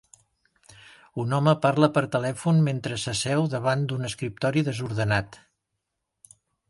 Un home parla per telèfon mentre s'asseu davant d'un escriptori desordenat.